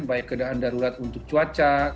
baik kendaraan darurat untuk cuaca